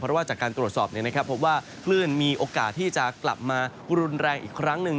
เพราะว่าจากการตรวจสอบพบว่าคลื่นมีโอกาสที่จะกลับมารุนแรงอีกครั้งหนึ่ง